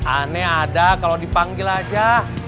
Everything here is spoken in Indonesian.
aneh ada kalau dipanggil aja